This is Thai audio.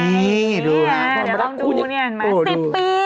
นี่ดูนะเดี๋ยวต้องดูเนี่ยสิบปี